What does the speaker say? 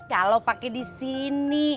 galau pake di sini